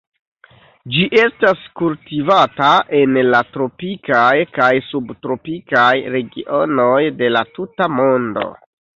Ĝi estas kultivata en la tropikaj kaj subtropikaj regionoj de la tuta mondo.